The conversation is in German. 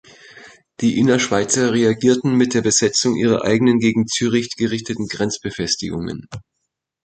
Die Innerschweizer reagierten mit der Besetzung ihrer eigenen gegen Zürich gerichteten Grenzbefestigungen.